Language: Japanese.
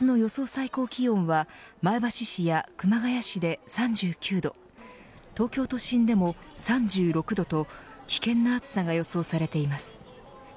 最高気温は前橋市や熊谷市で３９度東京都心でも３６度と危険な暑さが予想されています。